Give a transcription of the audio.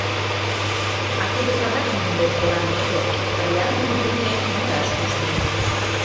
А тудо садак нунын деч кораҥын огыл, пырля нунын деке модаш ушнен.